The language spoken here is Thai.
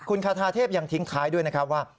คุณคาทาเทพยังทิ้งท้ายด้วยนะครับว่า